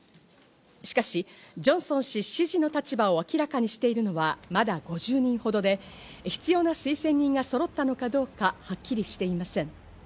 しかし、ジョンソン氏支持の立場を明らかにしているのはまだ５０人ほどで、必要な推薦人がそろったかどうかはっきりしていません。